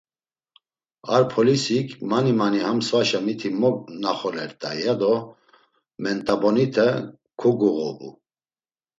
Ar polisik, mani mani ham svaşa miti mo naxolert̆ay, ya do ment̆abonite koguğobu.